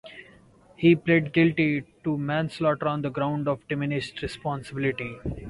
He pled guilty to manslaughter on the grounds of diminished responsibility.